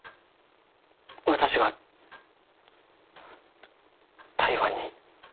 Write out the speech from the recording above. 私が台湾に？